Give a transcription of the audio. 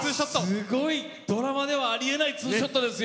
ドラマではあり得ないツーショットですよ！